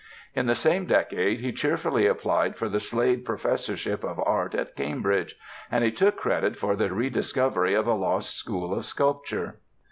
In the same decade he cheerfully applied for the Slade professorship of art at Cambridge; and he took credit for the rediscovery of a lost school of sculpture.